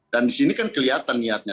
dan di sini kan kelihatan niatnya